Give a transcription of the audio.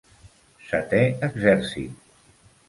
Setè Exèrcit.